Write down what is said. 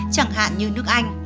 chẳng hạn như nước anh